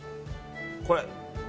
これ。